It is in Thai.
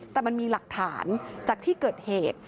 แต่มันมีหลักฐานจากที่เกิดเหตุ